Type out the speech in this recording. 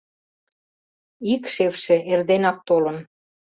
Ик шефше эрденак толын.